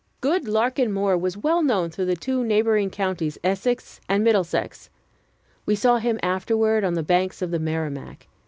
Good Larkin Moore was well known through the two neighboring counties, Essex and Middlesex. We saw him afterward on the banks of the Merrimack.